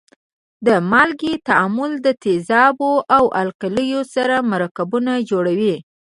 د مالګې تعامل د تیزابو او القلیو سره مرکبونه جوړوي.